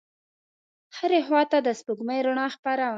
هرې خواته د سپوږمۍ رڼا خپره وه.